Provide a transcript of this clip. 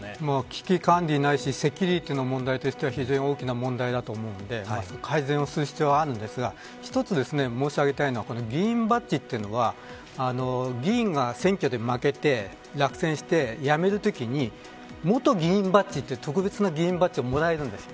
危機管理、ないしセキュリティーの問題としては非常に大きな問題だと思うので改善をする必要はあるんですが一つ申し上げたいのは議員バッジというのは議員が選挙で負けて落選して辞めるときに元議員バッジという特別な議員バッジをもらえるんです。